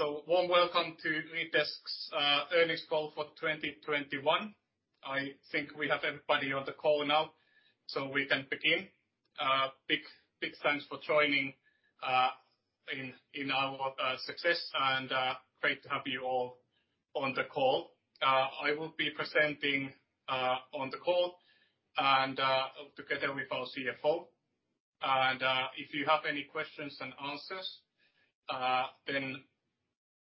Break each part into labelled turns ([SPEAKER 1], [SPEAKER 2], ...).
[SPEAKER 1] Warm welcome to LeadDesk's earnings call for 2021. I think we have everybody on the call now, so we can begin. Big thanks for joining in our success and great to have you all on the call. I will be presenting on the call and together with our CFO. If you have any questions and answers, then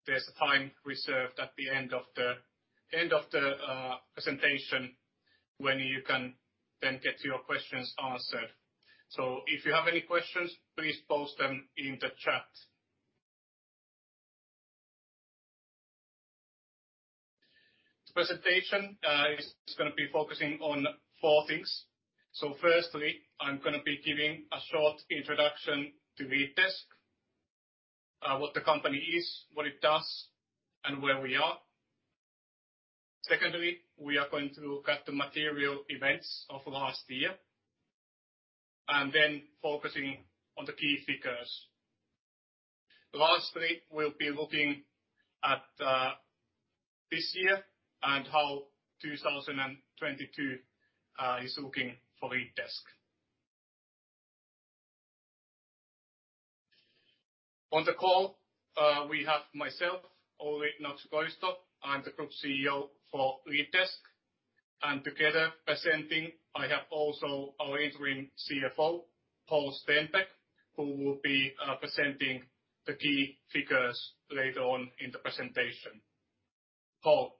[SPEAKER 1] there's a time reserved at the end of the presentation when you can then get your questions answered. If you have any questions, please post them in the chat. The presentation is gonna be focusing on four things. Firstly, I'm gonna be giving a short introduction to LeadDesk, what the company is, what it does, and where we are. Secondly, we are going to look at the material events of last year, and then focusing on the key figures. Lastly, we'll be looking at this year and how 2022 is looking for LeadDesk. On the call, we have myself, Olli Nokso-Koivisto. I'm the Group CEO for LeadDesk, and together presenting, I have also our Interim CFO, Paul Stenbäck, who will be presenting the key figures later on in the presentation. Paul.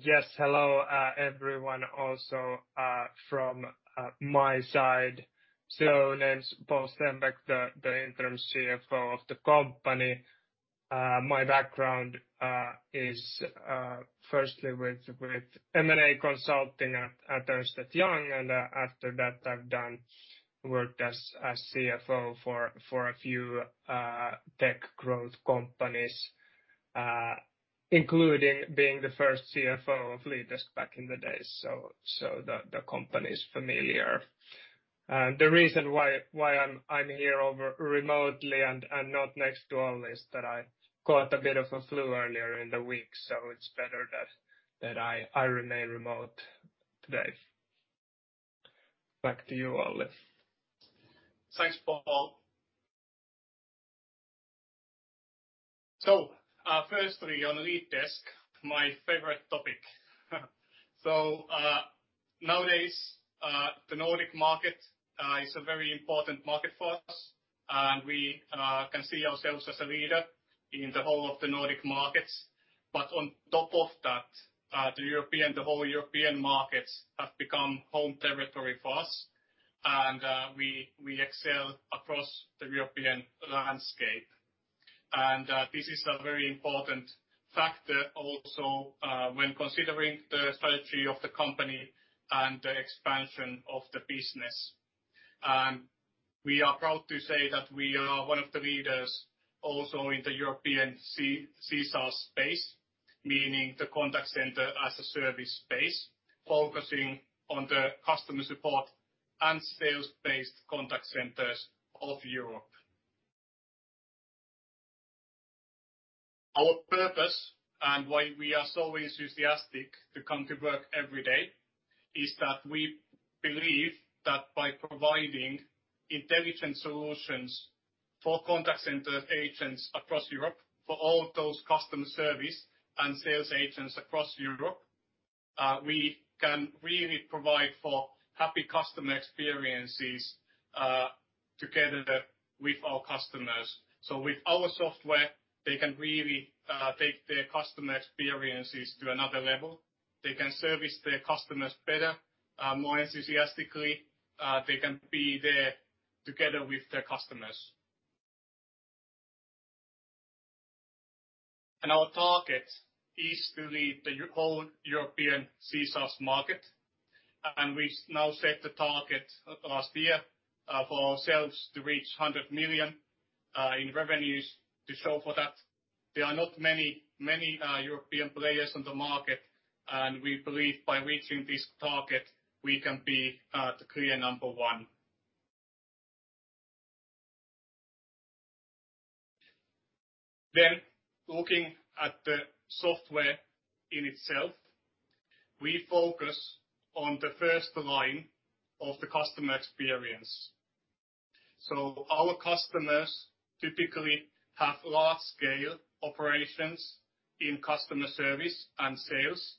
[SPEAKER 2] Yes. Hello, everyone, also from my side. Name's Paul Stenbäck, the Interim CFO of the company. My background is firstly with M&A consulting at Ernst & Young, and after that I've done work as CFO for a few tech growth companies, including being the first CFO of LeadDesk back in the day. The company is familiar. The reason why I'm here remotely and not next to Olli is that I caught a bit of a flu earlier in the week, so it's better that I remain remote today. Back to you, Olli.
[SPEAKER 1] Thanks, Paul. Firstly, on LeadDesk, my favorite topic. Nowadays, the Nordic market is a very important market for us and we can see ourselves as a leader in the whole of the Nordic markets. On top of that, the whole European markets have become home territory for us and we excel across the European landscape. This is a very important factor also when considering the strategy of the company and the expansion of the business. We are proud to say that we are one of the leaders also in the European CCaaS space, meaning the Contact Center as a Service space, focusing on the customer support and sales-based contact centers of Europe. Our purpose and why we are so enthusiastic to come to work every day is that we believe that by providing intelligent solutions for contact center agents across Europe, for all those customer service and sales agents across Europe, we can really provide for happy customer experiences, together with our customers. With our software, they can really take their customer experiences to another level. They can service their customers better, more enthusiastically. They can be there together with their customers. Our target is to lead the whole European CCaaS market, and we now set the target last year for ourselves to reach 100 million in revenues to show for that. There are not many European players on the market, and we believe by reaching this target, we can be the clear number one. Looking at the software in itself, we focus on the first line of the customer experience. Our customers typically have large scale operations in customer service and sales,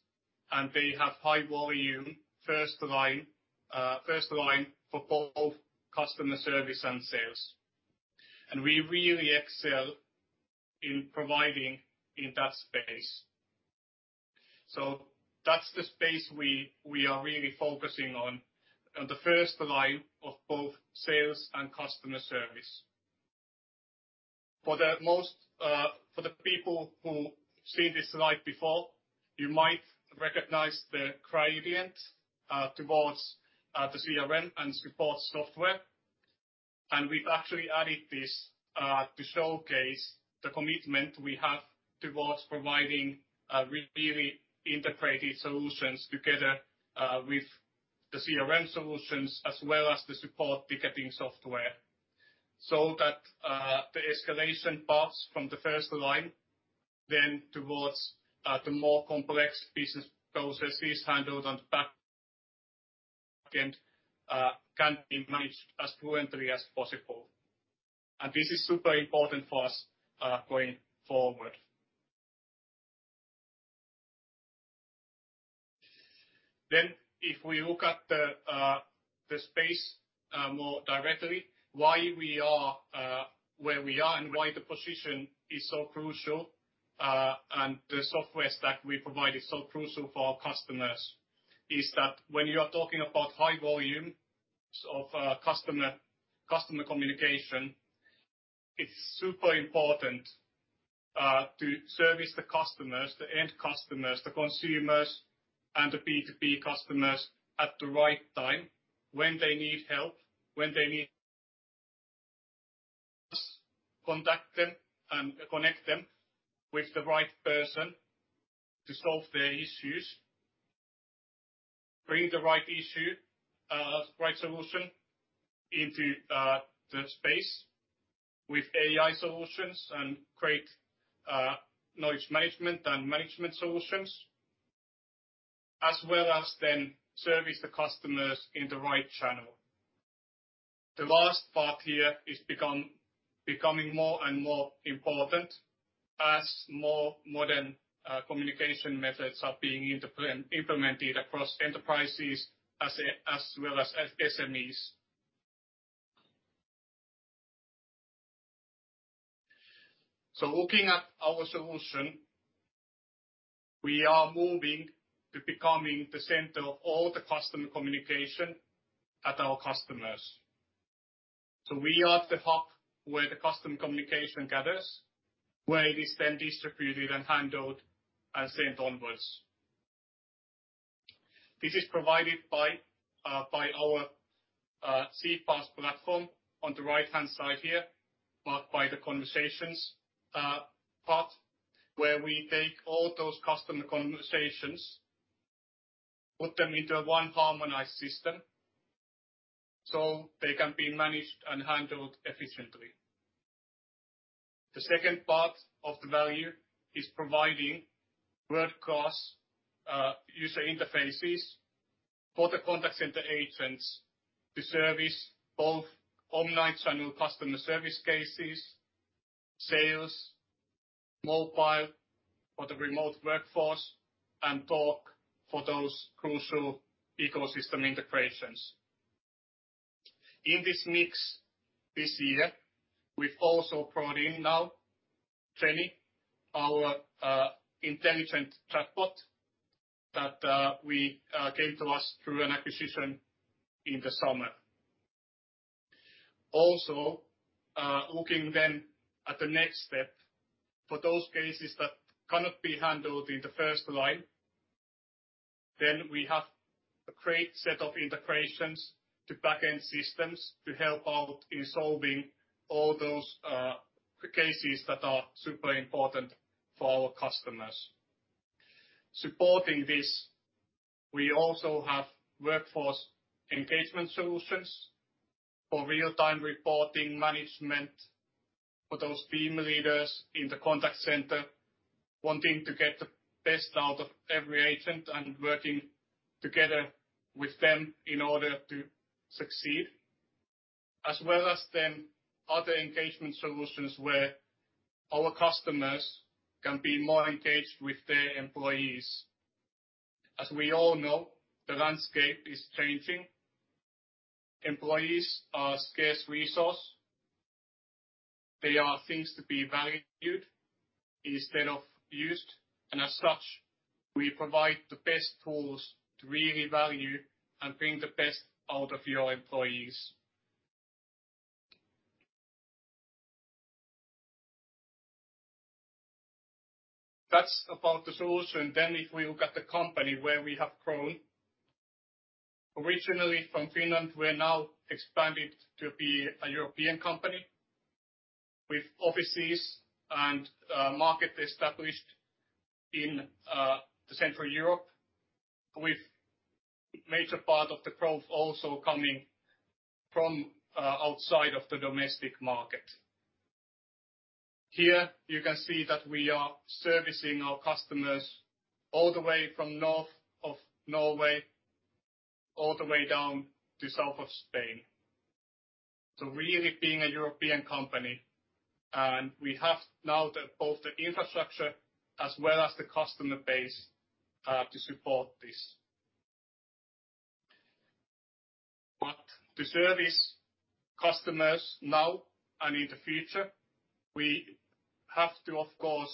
[SPEAKER 1] and they have high volume first line for both customer service and sales. We really excel in providing in that space. That's the space we are really focusing on the first line of both sales and customer service. For the most, for the people who've seen this slide before, you might recognize the gradient towards the CRM and support software. We've actually added this to showcase the commitment we have towards providing really integrated solutions together with the CRM solutions as well as the support ticketing software, so that the escalation paths from the first line then towards the more complex business processes handled on the back-end can be managed as fluently as possible. This is super important for us going forward. If we look at the space more directly, why we are where we are and why the position is so crucial, and the software stack we provide is so crucial for our customers, is that when you are talking about high volumes of customer communication, it's super important to service the customers, the end customers, the consumers, and the B2B customers at the right time when they need help, when they need contact them and connect them with the right person to solve their issues. Bring the right issue, right solution into the space with AI solutions and create knowledge management and management solutions, as well as then service the customers in the right channel. The last part here is becoming more and more important as more modern, communication methods are being implemented across enterprises as well as SMEs. Looking at our solution, we are moving to becoming the center of all the customer communication at our customers. We are the hub where the customer communication gathers, where it is then distributed and handled and sent onwards. This is provided by our CPaaS platform on the right-hand side here, marked by the conversations part, where we take all those customer conversations, put them into one harmonized system, so they can be managed and handled efficiently. The second part of the value is providing world-class user interfaces for the contact center agents to service both omnichannel customer service cases, sales, mobile for the remote workforce, and talk for those crucial ecosystem integrations. In this mix this year, we've also brought in now GetJenny, our intelligent chatbot that we came to us through an acquisition in the summer. Also, looking then at the next step, for those cases that cannot be handled in the first line, then we have a great set of integrations to back-end systems to help out in solving all those, cases that are super important for our customers. Supporting this, we also have workforce engagement solutions for real-time reporting management for those team leaders in the contact center wanting to get the best out of every agent and working together with them in order to succeed, as well as then other engagement solutions where our customers can be more engaged with their employees. As we all know, the landscape is changing. Employees are a scarce resource. They are things to be valued instead of used. As such, we provide the best tools to really value and bring the best out of your employees. That's about the solution. If we look at the company where we have grown, originally from Finland, we have now expanded to be a European company with offices and market established in the Central Europe, with major part of the growth also coming from outside of the domestic market. Here you can see that we are servicing our customers all the way from north of Norway, all the way down to south of Spain. Really being a European company, and we have now both the infrastructure as well as the customer base to support this. To service customers now and in the future, we have to, of course,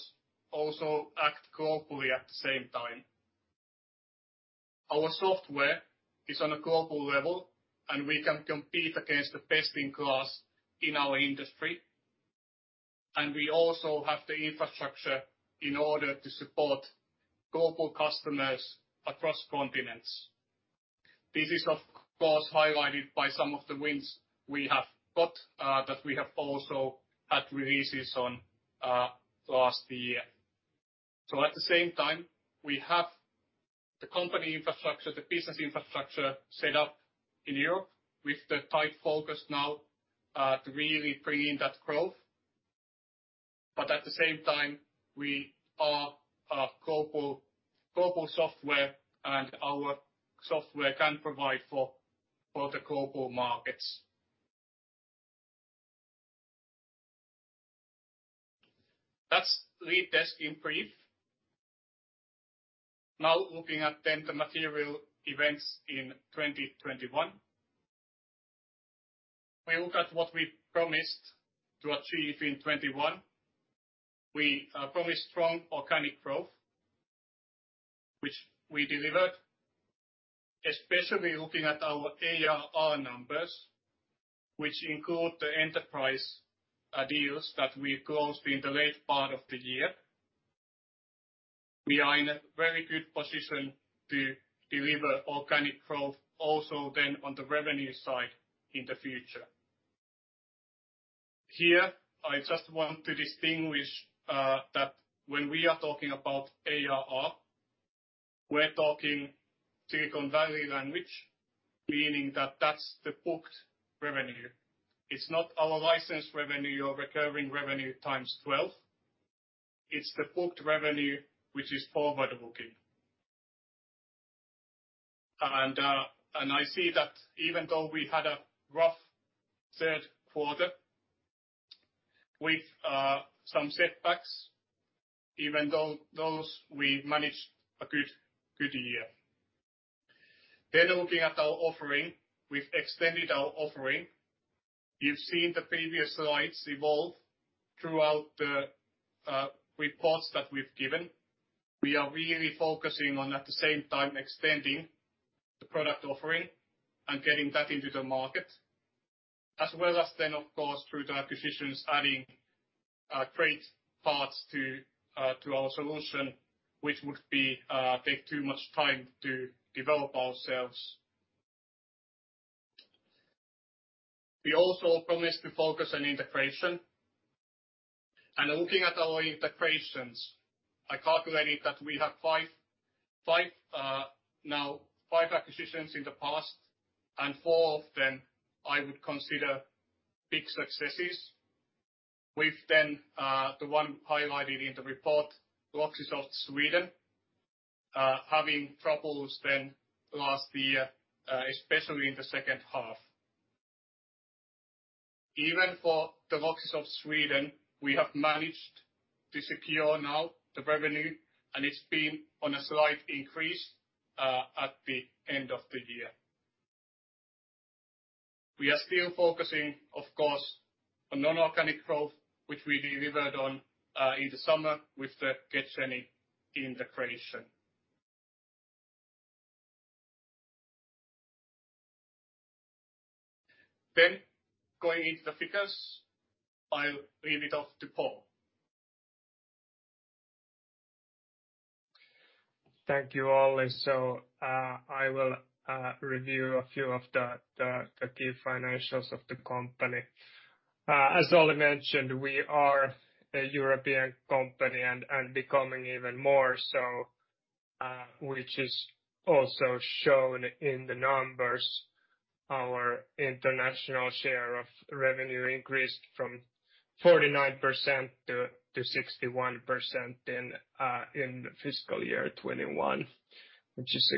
[SPEAKER 1] also act globally at the same time. Our software is on a global level, and we can compete against the best in class in our industry, and we also have the infrastructure in order to support global customers across continents. This is of course highlighted by some of the wins we have got, that we have also had releases on, throughout the year. At the same time, we have the company infrastructure, the business infrastructure set up in Europe with the tight focus now, to really bring in that growth. But at the same time, we are a global software, and our software can provide for the global markets. That's LeadDesk in brief. Now looking at then the material events in 2021. We look at what we promised to achieve in 2021. We promised strong organic growth, which we delivered, especially looking at our ARR numbers, which include the enterprise deals that we closed in the late part of the year. We are in a very good position to deliver organic growth also then on the revenue side in the future. Here, I just want to distinguish that when we are talking about ARR, we're talking Silicon Valley language, meaning that that's the booked revenue. It's not our licensed revenue or recurring revenue times twelve. It's the booked revenue, which is forward booking. I see that even though we had a rough third quarter with some setbacks, even though those we managed a good year. Looking at our offering, we've extended our offering. You've seen the previous slides evolve throughout the reports that we've given. We are really focusing on, at the same time, extending the product offering and getting that into the market, as well as then, of course, through the acquisitions, adding great parts to our solution, which would take too much time to develop ourselves. We also promised to focus on integration. Looking at our integrations, I calculated that we have five acquisitions in the past, and four of them I would consider big successes. We've then the one highlighted in the report, Loxysoft Sweden, having troubles then last year, especially in the second half. Even for the Loxysoft Sweden, we have managed to secure now the revenue, and it's been on a slight increase at the end of the year. We are still focusing, of course, on non-organic growth, which we delivered on, in the summer with the GetJenny integration. Going into the figures, I'll leave it over to Paul.
[SPEAKER 2] Thank you, Olli. I will review a few of the key financials of the company. As Olli mentioned, we are a European company and becoming even more so, which is also shown in the numbers. Our international share of revenue increased from 49% to 61% in fiscal year 2021, which is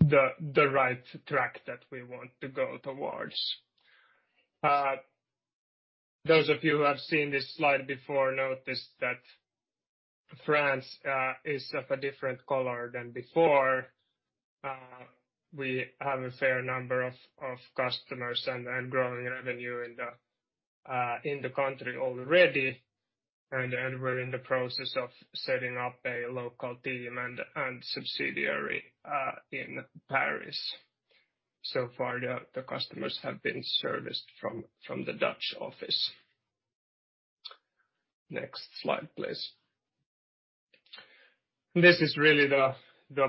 [SPEAKER 2] the right track that we want to go towards. Those of you who have seen this slide before notice that France is of a different color than before. We have a fair number of customers and growing revenue in the country already. We're in the process of setting up a local team and subsidiary in Paris. So far, the customers have been serviced from the Dutch office. Next slide, please. This is really the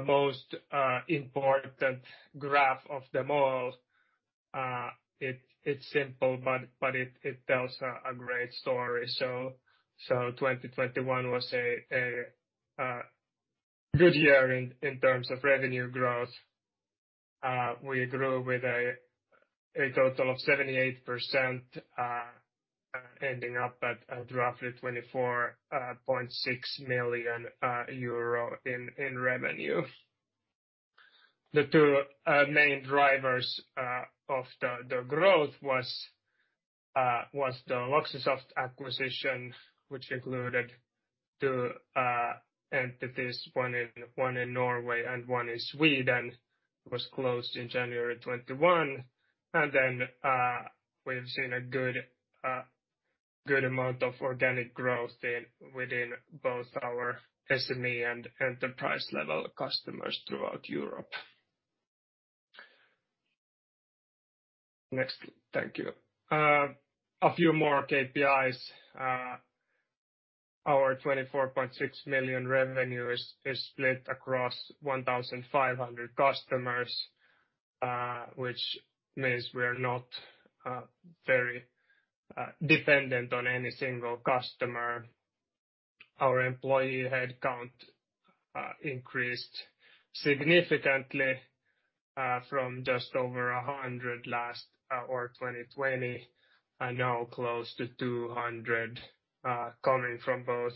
[SPEAKER 2] most important graph of them all. It's simple, but it tells a great story. 2021 was a good year in terms of revenue growth. We grew with a total of 78%, ending up at roughly 24.6 million euro in revenue. The two main drivers of the growth was the Loxysoft acquisition, which included the entities, one in Norway and one in Sweden, was closed in January 2021. We've seen a good amount of organic growth within both our SME and enterprise-level customers throughout Europe. Next. Thank you. A few more KPIs. Our 24.6 million revenue is split across 1,500 customers. Which means we're not very dependent on any single customer. Our employee headcount increased significantly from just over 100 last or 2020, and now close to 200, coming from both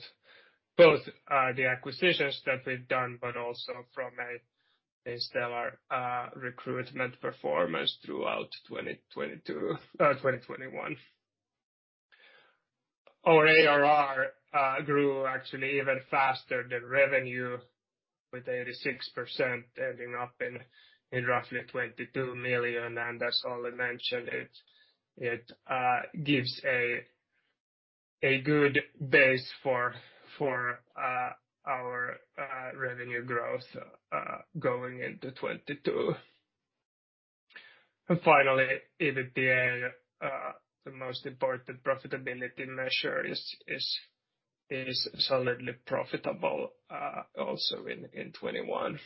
[SPEAKER 2] the acquisitions that we've done, but also from a stellar recruitment performance throughout 2021. Our ARR grew actually even faster than revenue with 86% ending up in roughly 22 million. As Olli mentioned, it gives a good base for our revenue growth going into 2022. Finally, EBITDA, the most important profitability measure is solidly profitable also in 2021.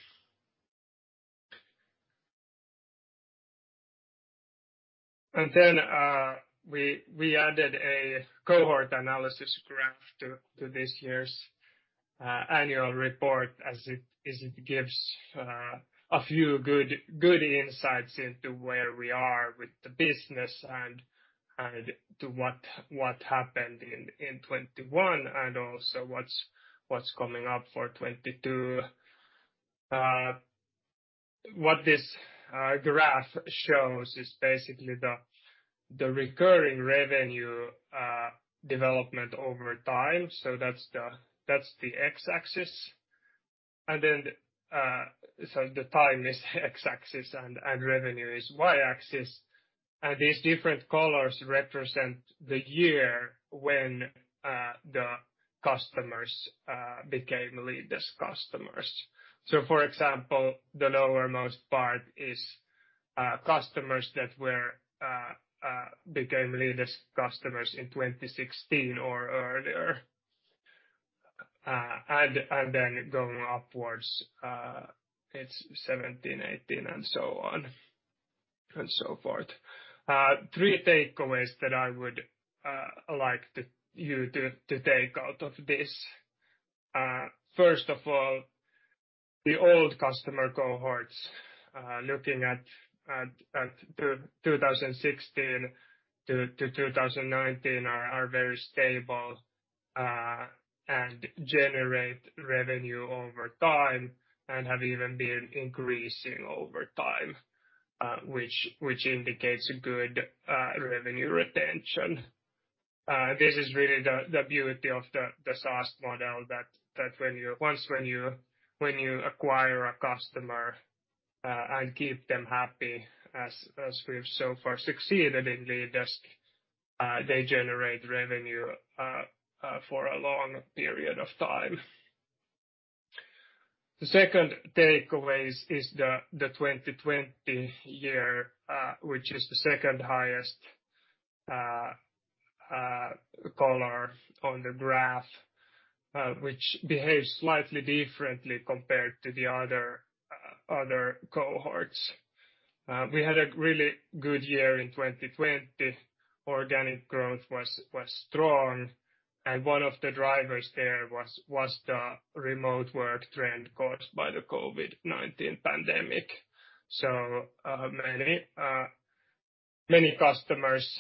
[SPEAKER 2] We added a cohort analysis graph to this year's annual report as it gives a few good insights into where we are with the business and to what happened in 2021 and also what's coming up for 2022. What this graph shows is basically the recurring revenue development over time. That's the x-axis. The time is x-axis and revenue is y-axis. These different colors represent the year when the customers became LeadDesk customers. For example, the lowermost part is customers that became LeadDesk customers in 2016 or earlier. Then going upwards, it's 2017, 2018 and so on and so forth. Three takeaways that I would like you to take out of this. First of all, the old customer cohorts looking at 2016 to 2019 are very stable and generate revenue over time and have even been increasing over time, which indicates good revenue retention. This is really the beauty of the SaaS model that once you acquire a customer and keep them happy as we've so far succeeded in LeadDesk, they generate revenue for a long period of time. The second takeaway is the 2020 year, which is the second highest color on the graph, which behaves slightly differently compared to the other cohorts. We had a really good year in 2020. Organic growth was strong, and one of the drivers there was the remote work trend caused by the COVID-19 pandemic. Many customers,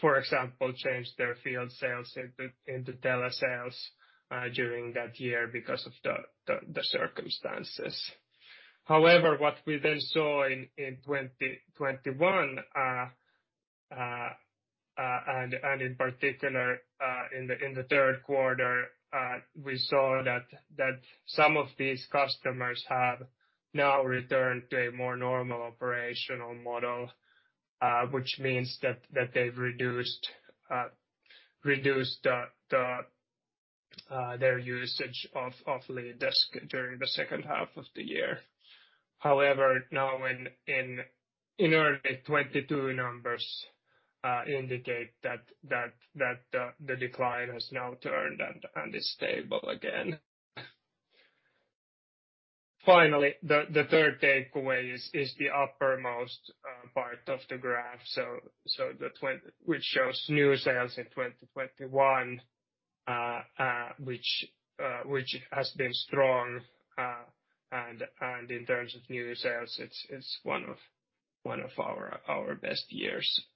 [SPEAKER 2] for example, changed their field sales into telesales during that year because of the circumstances. However, what we then saw in 2021 and in particular in the third quarter, we saw that some of these customers have now returned to a more normal operational model, which means that they've reduced their usage of LeadDesk during the second half of the year. However, now in early 2022 numbers indicate that the decline has now turned and is stable again. Finally, the third takeaway is the uppermost part of the graph which shows new sales in 2021, which has been strong. And in terms of new sales, it's one of our best years.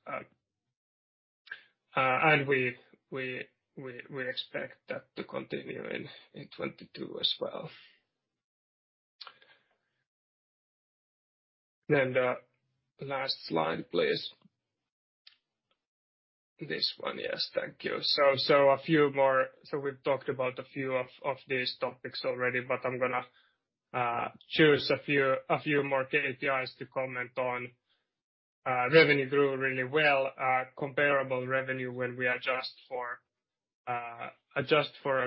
[SPEAKER 2] And we expect that to continue in 2022 as well. The last slide, please. This one. Yes. Thank you. A few more. We've talked about a few of these topics already, but I'm gonna choose a few more KPIs to comment on. Revenue grew really well. Comparable revenue when we adjust for a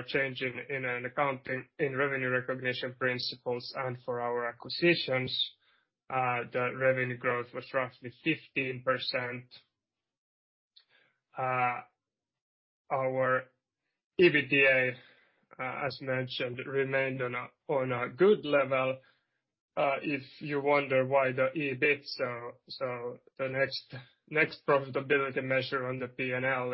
[SPEAKER 2] change in accounting, in revenue recognition principles and for our acquisitions, the revenue growth was roughly 15%. Our EBITDA, as mentioned, remained on a good level. If you wonder why the EBIT, so the next profitability measure on the P&L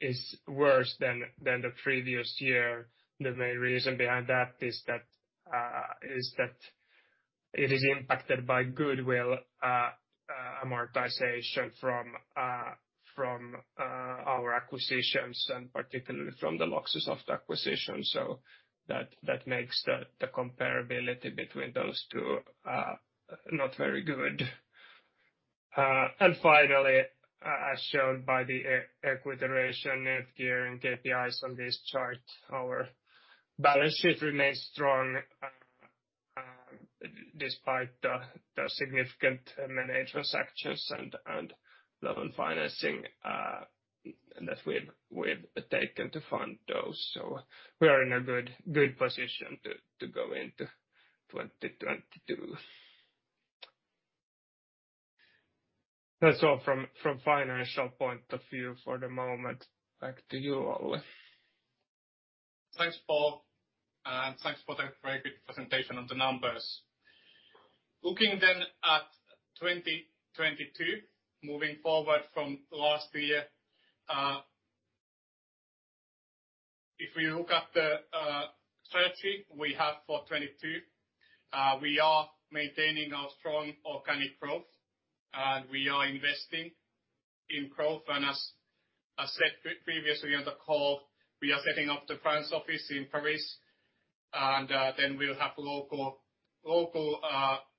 [SPEAKER 2] is worse than the previous year. The main reason behind that is that it is impacted by goodwill amortization from our acquisitions and particularly from the Loxysoft acquisition. That makes the comparability between those two not very good. Finally, as shown by the equity net gearing KPIs on this chart, our balance sheet remains strong, despite the significant M&A transactions and loan financing that we've taken to fund those. We are in a good position to go into 2022. That's all from financial point of view for the moment. Back to you, Olli.
[SPEAKER 1] Thanks, Paul, and thanks for the very good presentation on the numbers. Looking then at 2022, moving forward from last year, if we look at the strategy we have for 2022, we are maintaining our strong organic growth and we are investing in growth. As said previously on the call, we are setting up the French office in Paris, and then we'll have local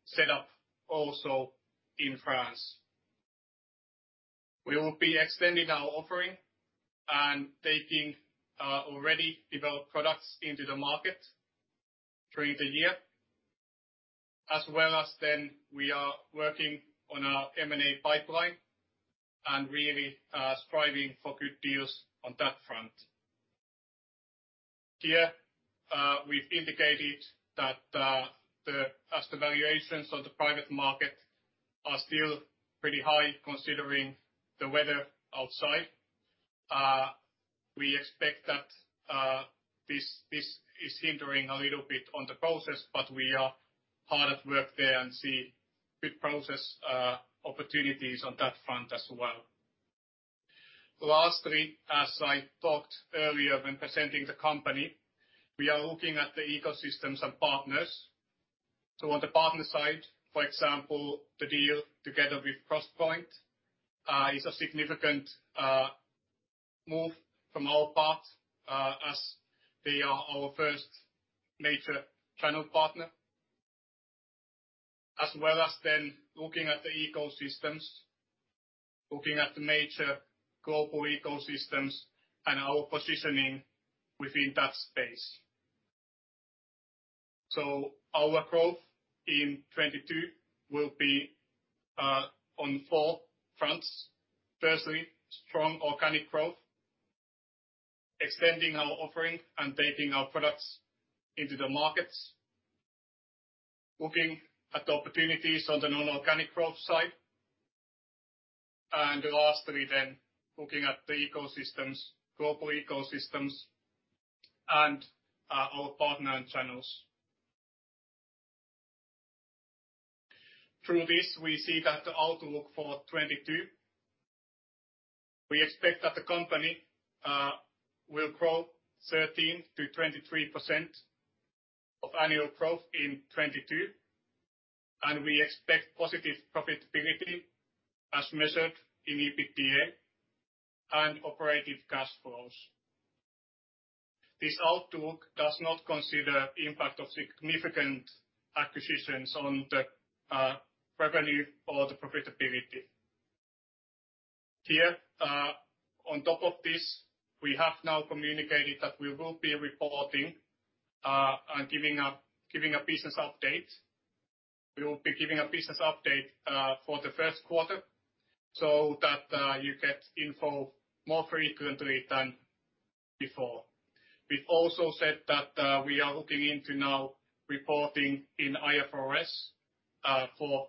[SPEAKER 1] setup also in France. We will be extending our offering and taking already developed products into the market through the year. As well as then we are working on our M&A pipeline and really striving for good deals on that front. Here, we've indicated that as the valuations of the private market are still pretty high considering the weather outside, we expect that this is hindering a little bit on the process, but we are hard at work there and see good process opportunities on that front as well. Lastly, as I talked earlier when presenting the company, we are looking at the ecosystems and partners. On the partner side, for example, the deal together withCrossPoint is a significant move from our part, as they are our first major channel partner. As well as then looking at the ecosystems, looking at the major global ecosystems and our positioning within that space. Our growth in 2022 will be on four fronts. Firstly, strong organic growth, extending our offering and taking our products into the markets, looking at the opportunities on the non-organic growth side. Lastly, looking at the ecosystems, global ecosystems and our partners and channels. Through this, we see that the outlook for 2022, we expect that the company will grow 13%-23% annual growth in 2022, and we expect positive profitability as measured in EBITDA and operating cash flows. This outlook does not consider impact of significant acquisitions on the revenue or the profitability. Here, on top of this, we have now communicated that we will be reporting and giving a business update. We will be giving a business update for the first quarter so that you get info more frequently than before. We've also said that we are looking into now reporting in IFRS for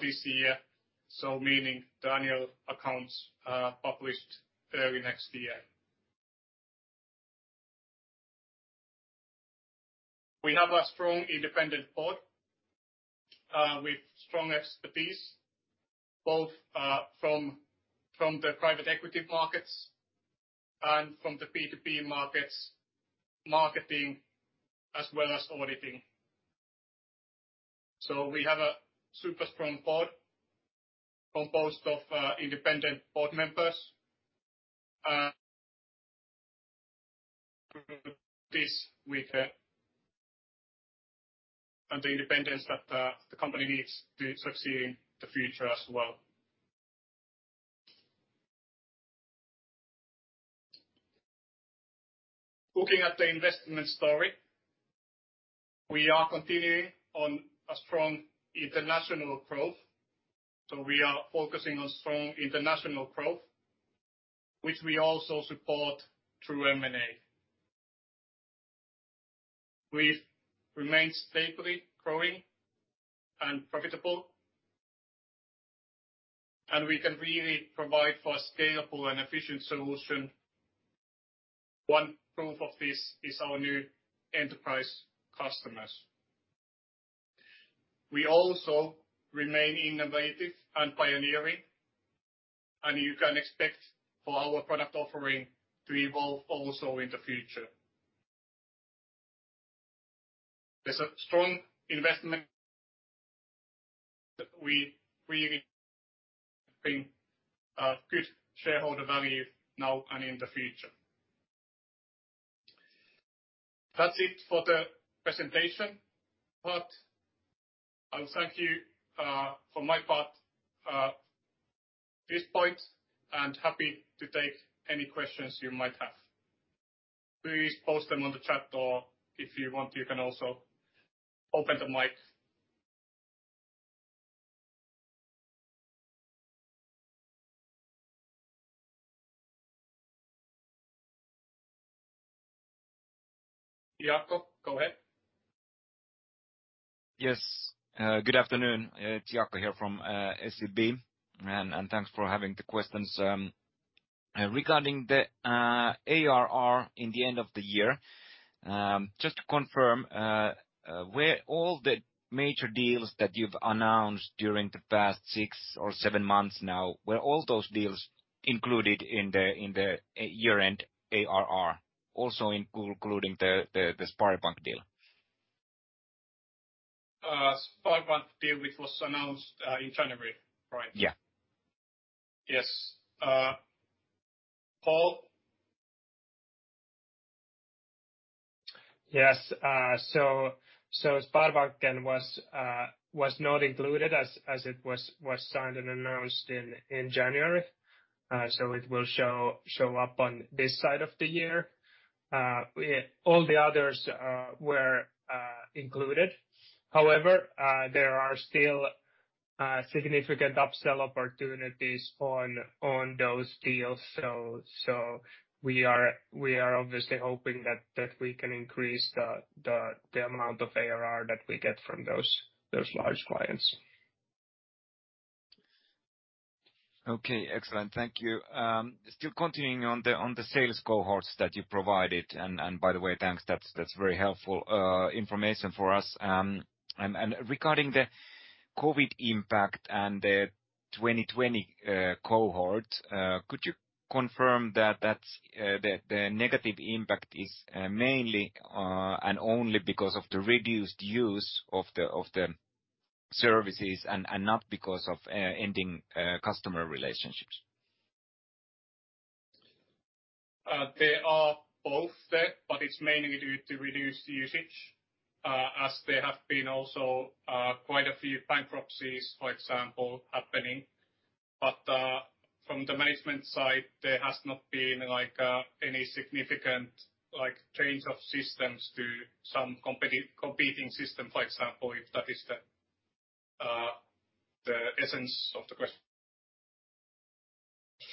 [SPEAKER 1] this year, so meaning the annual accounts published early next year. We have a strong independent board with strong expertise both from the private equity markets and from the B2B markets, marketing as well as auditing. We have a super strong board composed of independent board members with the independence that the company needs to succeed in the future as well. Looking at the investment story, we are continuing on a strong international growth. We are focusing on strong international growth, which we also support through M&A. We've remained stably growing and profitable, and we can really provide for a scalable and efficient solution. One proof of this is our new enterprise customers. We also remain innovative and pioneering, and you can expect for our product offering to evolve also in the future. There's a strong investment that we really bring good shareholder value now and in the future. That's it for the presentation, but I'll thank you for my part at this point, and happy to take any questions you might have. Please post them on the chat, or if you want, you can also open the mic. Jaakko, go ahead.
[SPEAKER 3] Yes. Good afternoon. It's Jaakko here from SEB, and thanks for having the questions. Regarding the ARR in the end of the year, just to confirm, where all the major deals that you've announced during the past six or seven months now, were all those deals included in the year-end ARR, also including the Sparbanken deal?
[SPEAKER 1] Sparbanken deal, which was announced in January, right?
[SPEAKER 3] Yeah.
[SPEAKER 1] Yes. Paul?
[SPEAKER 2] Yes. Sparbanken then was not included as it was signed and announced in January. It will show up on this side of the year. All the others were included. However, there are still significant upsell opportunities on those deals. We are obviously hoping that we can increase the amount of ARR that we get from those large clients.
[SPEAKER 3] Okay. Excellent. Thank you. Still continuing on the sales cohorts that you provided, and by the way, thanks, that's very helpful information for us. Regarding the COVID impact and the 2020 cohort, could you confirm that that's the negative impact is mainly and only because of the reduced use of the services and not because of ending customer relationships?
[SPEAKER 1] They are both there, but it's mainly due to reduced usage, as there have been also quite a few bankruptcies, for example, happening. From the management side, there has not been like any significant like change of systems to some competing system, for example, if that is the essence of the question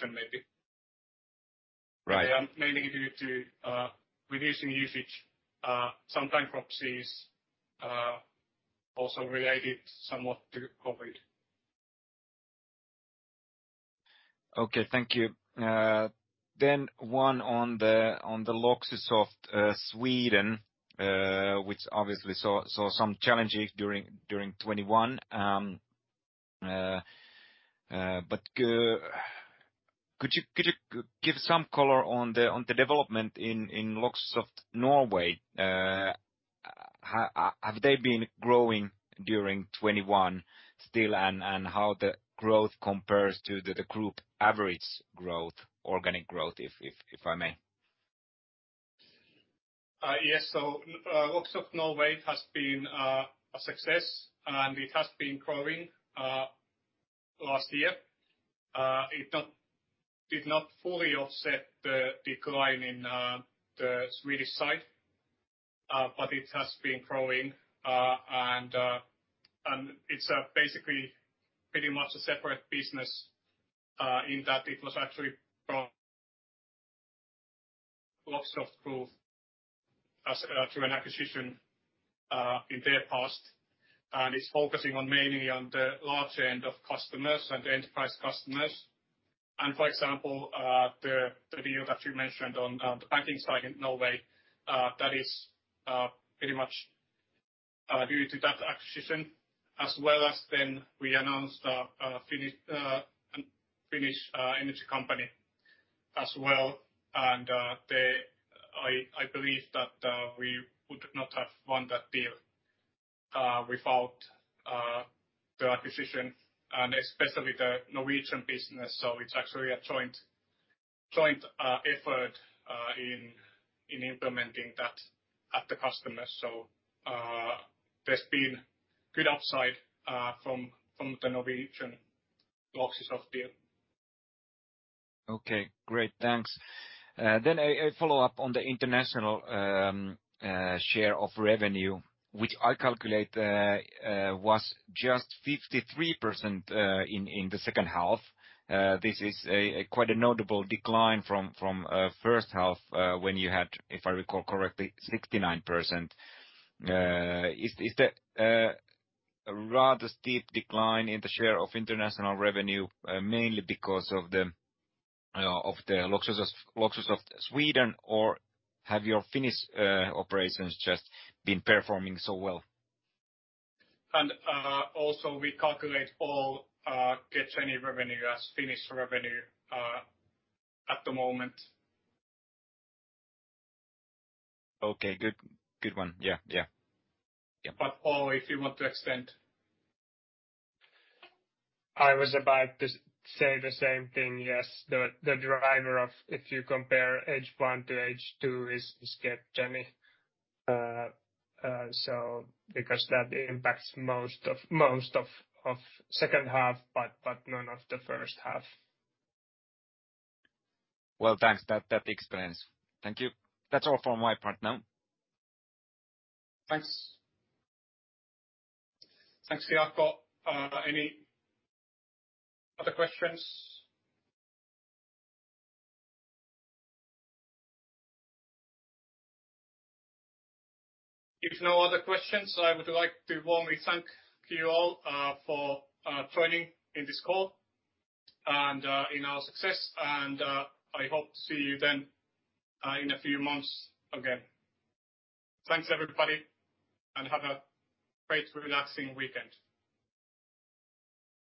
[SPEAKER 1] maybe.
[SPEAKER 3] Right.
[SPEAKER 1] Yeah. Mainly due to reducing usage, some bankruptcies, also related somewhat to COVID.
[SPEAKER 3] Okay. Thank you. One on the Loxysoft Sweden, which obviously saw some challenges during 2021. But could you give some color on the development in Loxysoft Norway? Have they been growing during 2021 still and how the growth compares to the group average growth, organic growth if I may?
[SPEAKER 1] Yes. Loxysoft Norway has been a success, and it has been growing last year. It did not fully offset the decline in the Swedish side, but it has been growing. It's basically pretty much a separate business in that it was actually from Loxysoft group through an acquisition in their past. It's focusing mainly on the large end of customers and the enterprise customers. For example, the deal that you mentioned on the banking side in Norway, that is pretty much due to that acquisition. As well as then we announced a Finnish energy company as well. I believe that we would not have won that deal without the acquisition and especially the Norwegian business. There's been good upside from the Norwegian Loxysoft deal.
[SPEAKER 3] Okay. Great. Thanks. A follow-up on the international share of revenue, which I calculate was just 53% in the second half. This is quite a notable decline from first half when you had, if I recall correctly, 69%. Is the rather steep decline in the share of international revenue mainly because of the Loxysoft Sweden, or have your Finnish operations just been performing so well?
[SPEAKER 1] also we calculate all GetJenny revenue as Finnish revenue at the moment.
[SPEAKER 3] Okay. Good. Good one. Yeah.
[SPEAKER 1] Paul, if you want to extend.
[SPEAKER 2] I was about to say the same thing. Yes. The driver of if you compare H1 to H2 is GetJenny. Because that impacts most of second half, but none of the first half.
[SPEAKER 3] Well, thanks. That explains. Thank you. That's all from my part now.
[SPEAKER 1] Thanks. Thanks, Jaakko. Any other questions? If no other questions, I would like to warmly thank you all for joining in this call and in our success. I hope to see you then in a few months again. Thanks everybody, and have a great relaxing weekend.